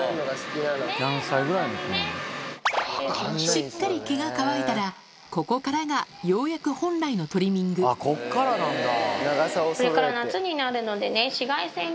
しっかり毛が乾いたらここからがようやく本来のトリミングここからなんだ。